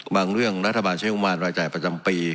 บางเรื่องรัฐบาลใช้งุมารรายจ่ายประจำปี